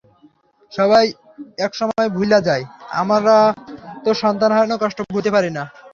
সবাই একসময় ভুইল্যা যায়, আমরা তো সন্তান হারানোর কষ্ট ভুলতে পারি না।